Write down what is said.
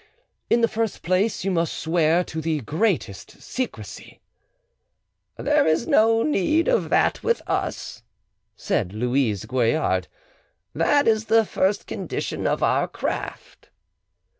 "In the first place; you must swear to the greatest secrecy." "There is no need of that with us," said Louise Goillard; "that is the first condition of our craft."